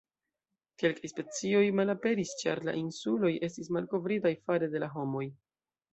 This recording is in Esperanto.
Kelkaj specioj malaperis ĉar la insuloj estis malkovritaj fare de la homoj.